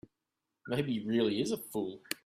Maybe he really is a fool.